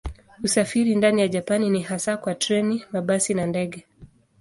Usafiri ndani ya Japani ni hasa kwa treni, mabasi na ndege.